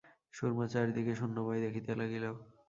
সুরমা চারিদিকে শূন্যময় দেখিতে লাগিল।